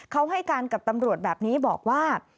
เขาให้การกับตำรวจแบบนี้บอกว่า